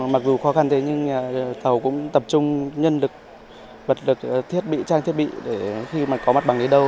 mặc dù khó khăn thế nhưng nhà thầu cũng tập trung nhân lực vật thiết bị trang thiết bị để khi mà có mặt bằng đến đâu